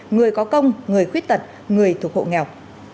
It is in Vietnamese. người có công người khuyết tật người thuộc hộ nghèo